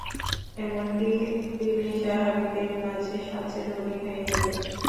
এমনকি তিনি সাহাবীদের মাঝে সবচেয়ে ধনী হয়ে গেলেন।